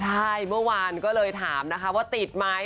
ใช่เมื่อวานก็เลยถามนะคะว่าติดไหม